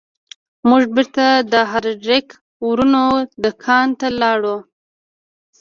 موږ بیرته د هارډینګ ورونو دکان ته لاړو.